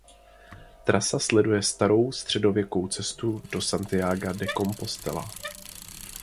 Trasa sleduje starou středověkou cestu do Santiaga de Compostela.